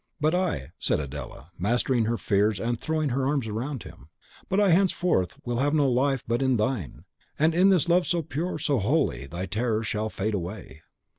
"But I," said Adela, mastering her fears and throwing her arms around him, "but I henceforth will have no life but in thine. And in this love so pure, so holy, thy terror shall fade away."